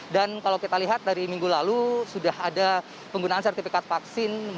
dan kalau kita lihat dari minggu lalu sudah ada penggunaan sertifikat vaksin